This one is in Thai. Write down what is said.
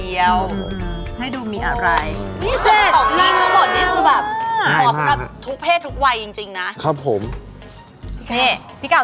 ถ้าอย่างนี้น้ำแข็งมันจะแตกแล้ว